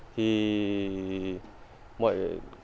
thì mọi người